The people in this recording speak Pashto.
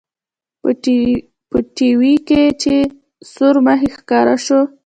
په ټي وي کښې چې سورمخى ښکاره سو.